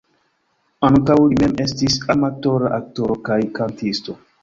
Ankaŭ li mem estis amatora aktoro kaj kantisto.